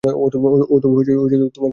ও তো তোমাকে ধোঁকা দিয়েছে!